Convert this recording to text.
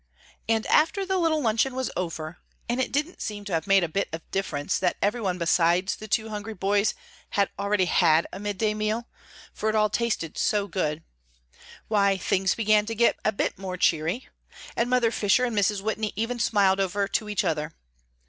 And after the little luncheon was over, and it didn't seem to have made a bit of difference that every one besides the two hungry boys had already had a midday meal, for it all tasted so good, why, things began to get a bit more cheery. And Mother Fisher and Mrs. Whitney even smiled over to each other.